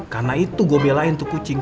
karena itu gue belain tuh kucing